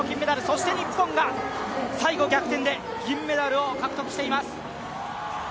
そして日本が最後逆転で銀メダルを獲得しています。